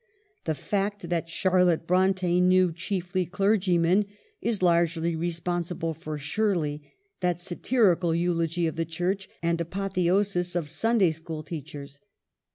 The fact that Charlotte Bronte knew chiefly clergymen is largely responsible for ' Shirley,' that satirical eulogy of the Church and apotheosis of Sunday school teachers.